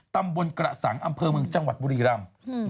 ตำบลกระสังอำเภอเมืองจังหวัดบุรีรำ